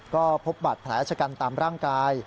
ก็พบบาดแผลชะกันตามร่างกาย